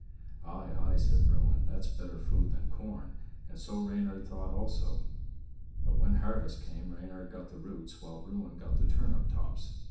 "Aye, aye!" said Bruin, "that's better food than corn"; and so Reynard thought also. But when harvest came Reynard got the roots, while Bruin got the turnip tops.